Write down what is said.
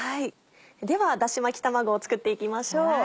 ではだし巻き卵を作っていきましょう。